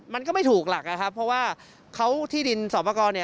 มันก็ไม่ถูกหลักเพราะว่าเขาที่ดินสอบพากร